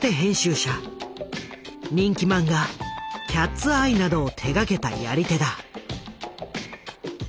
人気漫画「キャッツアイ」などを手がけたやり手だ。